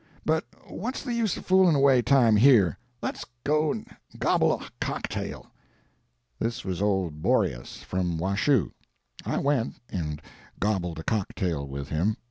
But what's the use fooling away time here?—let's go and gobble a cocktail." This was old Boreas, from Washoe. I went and gobbled a cocktail with him.